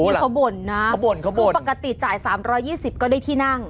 นี่เขาบ่นนะคือปกติจ่าย๓๒๐ก็ได้ที่นั่ง